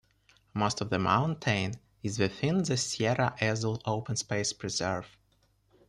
Most of the mountain is within the Sierra Azul Open Space Preserve.